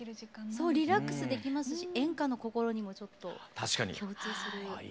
そうリラックスできますし演歌の心にもちょっと共通する。